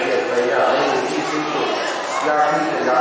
การพุทธศักดาลัยเป็นภูมิหลายการพุทธศักดาลัยเป็นภูมิหลาย